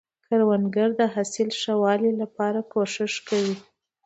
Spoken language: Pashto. کروندګر د حاصل ښه والي لپاره کوښښ کوي